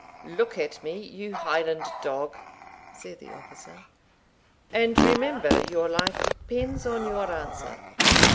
"Look at me, you Highland dog," said the officer, "and remember your life depends on your answer.